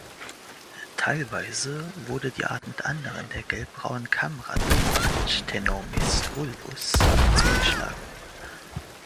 Teilweise wurde die Art mit anderen der Gelbbraunen Kammratte ("Ctenomys fulvus") zugeschlagen.